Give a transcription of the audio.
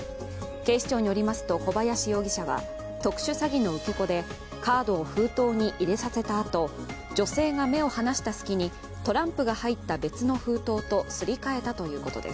警視庁によりますと、小林容疑者は特殊詐欺の受け子でカードを封筒に入れさせたあと女性が目を離した隙にトランプが入った別の封筒とすり替えたということです。